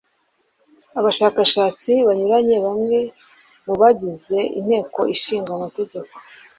abashakashatsi banyuranye bamwe mu bagize inteko ishinga amategeko